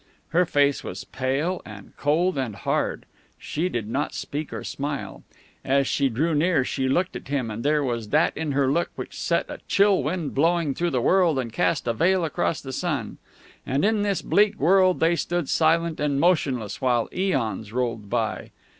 Her face was pale and cold and hard. She did not speak or smile. As she drew near she looked at him, and there was that in her look which set a chill wind blowing through the world and cast a veil across the sun. And in this bleak world they stood silent and motionless while eons rolled by.